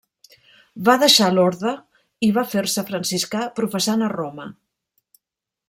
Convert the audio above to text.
Va deixar l'orde i va fer-se franciscà, professant a Roma.